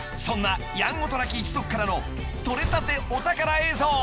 ［そんな『やんごとなき一族』からの撮れたてお宝映像］